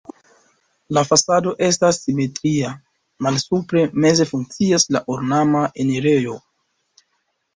La fasado estas simetria, malsupre meze funkcias la ornama enirejo.